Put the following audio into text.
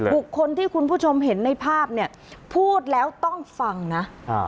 บุคคลที่คุณผู้ชมเห็นในภาพเนี่ยพูดแล้วต้องฟังนะ